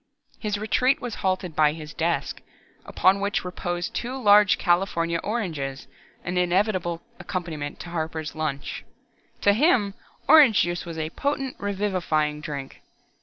His retreat was halted by his desk, upon which reposed two large California oranges, an inevitable accompaniment to Harper's lunch. To him, orange juice was a potent, revivifying drink.